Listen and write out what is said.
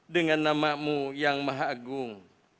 dengan nama mu yang maha agung